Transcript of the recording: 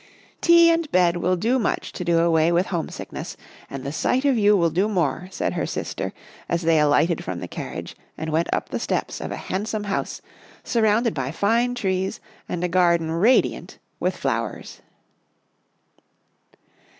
" Tea and bed will do much to do away with homesickness, and the sight of you will do more," said her sister as they alighted from the carriage and went up the steps of a handsome house surrounded by fine trees and a garden radiant with flowers.